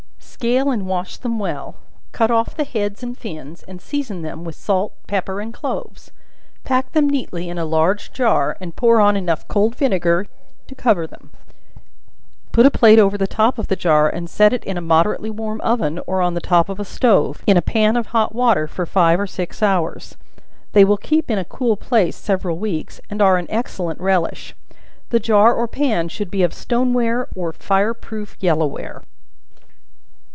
Scale and wash them well; cut off the heads and fins, and season them with salt, pepper and cloves; pack them neatly in a large jar, and pour on enough cold vinegar to cover them; put a plate over the top of the jar, and set it in a moderately warm oven, or on the top of a stove, in a pan of hot water, for five or six hours; they will keep in a cool place several weeks, and are an excellent relish. The jar or pan should be of stone ware, or fire proof yellow ware.